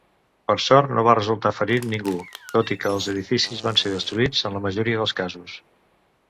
Per sort, no va resultar ferit ningú, tot i que els edificis van ser destruïts en la majoria dels casos.